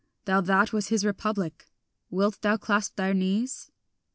Thou that wast his Republic, wilt thou clasp their knees?